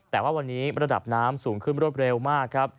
แต่ว่าวันนี้ระดับน้ำสูงขึ้นรวดเร็วมากครับ